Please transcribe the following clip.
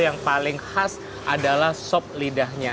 yang paling khas adalah sop lidahnya